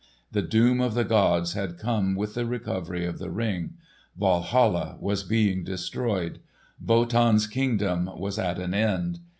The doom of the gods had come with the recovery of the Ring. Walhalla was being destroyed. Wotan's kingdom was at an end.